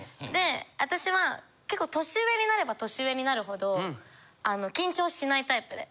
私は結構年上になれば年上になるほどあの緊張しないタイプで。